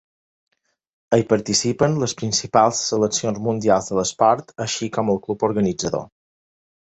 Hi participen les principals seleccions mundials de l'esport així com el club organitzador.